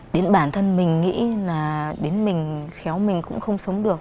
đến bản thân mình nghĩ là đến mình khéo mình cũng không sống được